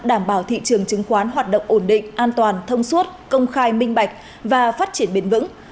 đảm bảo thị trường chứng khoán hoạt động ổn định an toàn thông suốt công khai minh bạch và phát triển bền vững